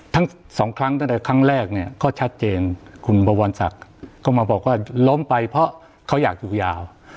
ทั้งสองครั้งตั้งแต่ครั้งแรกเนี่ยก็ชัดเจนคุณบวรศักดิ์ก็มาบอกว่าล้มไปเพราะเขาอยากอยู่ยาว